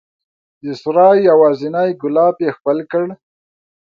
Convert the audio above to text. د سرای یوازینی ګلاب یې ښکل کړ